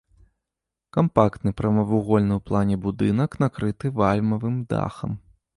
Кампактны прамавугольны ў плане будынак накрыты вальмавым дахам.